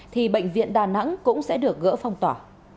thì bệnh viện đà nẵng cũng sẽ được gỡ phong tỏa